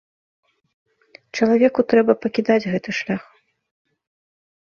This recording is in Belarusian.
Чалавеку трэба пакідаць гэты шлях.